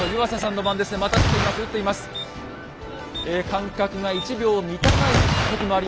間隔が１秒満たない時もあり